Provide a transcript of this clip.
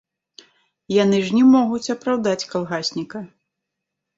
Яны ж не могуць апраўдаць калгасніка.